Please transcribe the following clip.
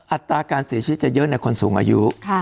อัตราการเสียชีวิตจะเยอะในคนสูงอายุ